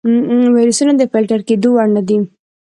ویروسونه د فلتر کېدو وړ نه دي.